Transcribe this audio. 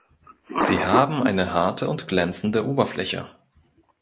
Sie haben eine harte und glänzende Oberfläche.